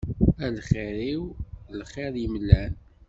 A lxir-iw lxir yemlan.